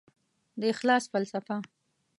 د اخلاص فلسفه